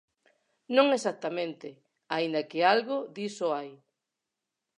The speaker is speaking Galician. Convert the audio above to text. Non exactamente, aínda que algo diso hai.